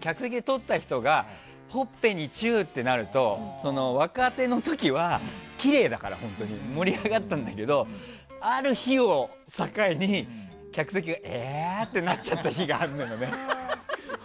客席で取った人がほっぺにチューってなると若手の時はきれいだから本当に盛り上がったんだけどある日を境に客席が、えーってなっちゃった日があるんだよね。